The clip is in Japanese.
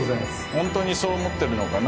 本当にそう思ってるのかな？